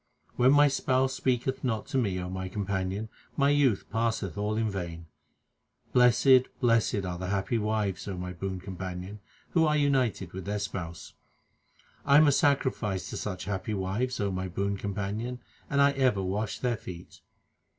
When my Spouse speaketh not to me, O my companion, my youth passeth all in vain. 350 THE SIKH RELIGION Blessed, blessed are the happy wives, O my boon com panion, who are united with their Spouse. I am a sacrifice to such happy wives, my boon com panion, and I ever wash their feet.